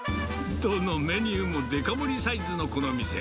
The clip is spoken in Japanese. どのメニューもデカ盛りサイズのこの店。